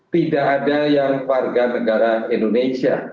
tidak ada yang warga negara indonesia